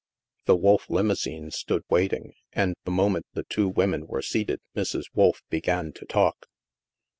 The Wolf limousine stood waiting, and the mo ment the two women were seated, Mrs. Wolf began to talk.